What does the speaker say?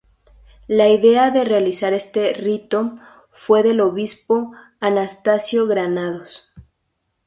La idea de realizar este rito fue del obispo Anastasio Granados.